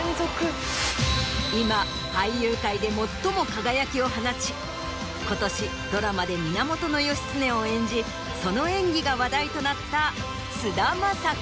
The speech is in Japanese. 今俳優界で最も輝きを放ち今年ドラマで源義経を演じその演技が話題となった菅田将暉。